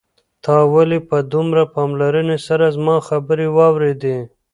تا ولې په دومره پاملرنې سره زما خبرې واورېدې؟